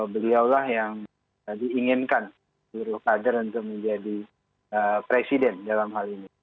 beliaulah yang diinginkan seluruh kader untuk menjadi presiden dalam hal ini